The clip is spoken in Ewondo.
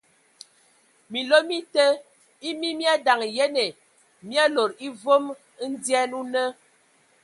Minlo mi te e mi mi adaŋ yene, mi lodo e vom ndyɛn o nə.